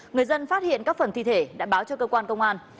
người dân phát hiện các phần thi thể đã báo cho cơ quan công an